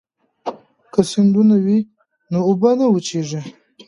که سیندونه وي نو اوبه نه وچېږي.